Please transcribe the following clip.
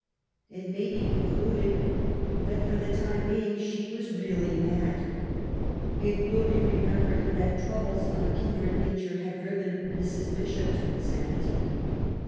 It may be concluded that for the time being she was really mad. It will be remembered that troubles of a kindred nature had driven Mrs. Bishop to insanity.